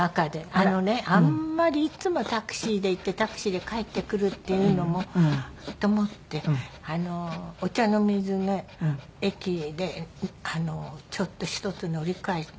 あのねあんまりいつもタクシーで行ってタクシーで帰ってくるっていうのもと思って御茶ノ水の駅でちょっと１つ乗り換えて